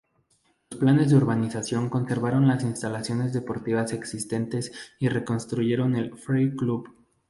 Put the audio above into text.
Los planes de urbanización conservaron las instalaciones deportivas existentes y reconstruyen el Fry Club.